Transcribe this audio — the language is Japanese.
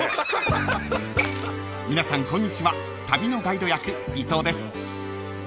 ［皆さんこんにちは旅のガイド役伊藤です］